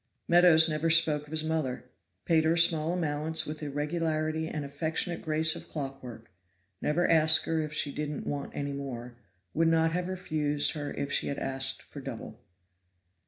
Meadows never spoke of his mother, paid her a small allowance with the regularity and affectionate grace of clock work; never asked her if she didn't want any more would not have refused her if she had asked for double.